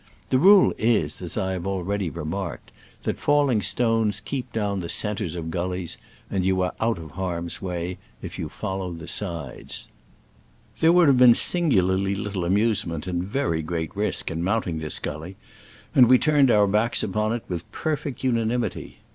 The rule is, as I have already remarked, that falling stones keep down the centres of gullies, and you are out of harm's way if you follow the sides. There would have been singularly little amusement and very great risk in mounting this gully, and we turned our backs upon it with perfect unanimity.